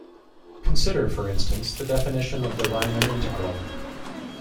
Consider, for instance, the definition of the Riemann integral.